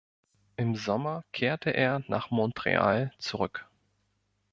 Im Sommer kehrte er nach Montreal zurück.